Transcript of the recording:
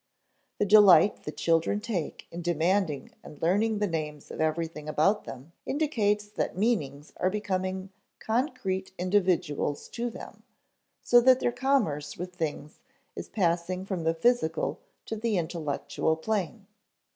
The delight that children take in demanding and learning the names of everything about them indicates that meanings are becoming concrete individuals to them, so that their commerce with things is passing from the physical to the intellectual plane.